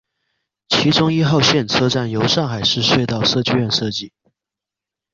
其中一号线车站由上海市隧道设计院设计。